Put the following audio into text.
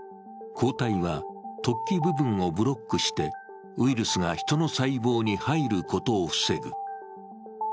抗体は突起部分をブロックしてウイルスがヒトの細胞に入ることを防ぐ。